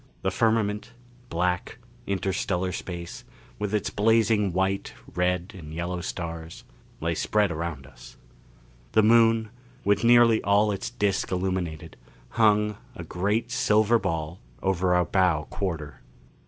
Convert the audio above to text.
The firmament black, interstellar space with its blazing white, red and yellow stars lay spread around us. The Moon, with nearly all its disc illumined, hung, a great silver ball, over our bow quarter.